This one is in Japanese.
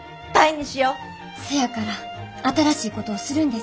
せやから新しいことをするんです。